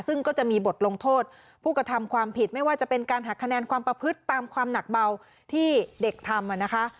ซึ่งก็จะมีบทลงโทษผู้กระทำความผิดไม่ว่าจะเป็นการหักคะแนนความประพฤติตามความหนักเบาที่เด็กทำนะคะ